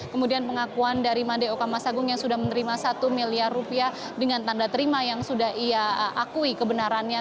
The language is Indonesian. kemudian pengakuan dari mandeo kamasagung yang sudah menerima satu miliar rupiah dengan tanda terima yang sudah ia akui kebenarannya